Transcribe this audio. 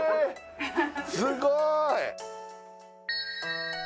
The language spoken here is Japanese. すごい！